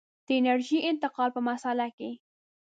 د انرژۍ د انتقال په مسأله کې.